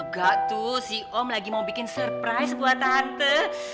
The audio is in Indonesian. gak tuh si om lagi mau bikin surprise buat tante